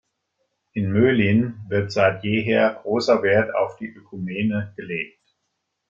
In Möhlin wird seit jeher grosser Wert auf die Ökumene gelegt.